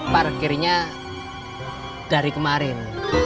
parkirnya dari kemarin